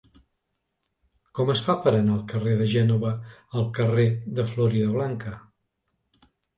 Com es fa per anar del carrer de Gènova al carrer de Floridablanca?